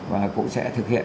và cũng sẽ thực hiện